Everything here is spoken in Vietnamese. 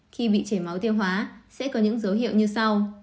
khi bị chảy máu tiêu hóa sẽ có những dấu hiệu như sau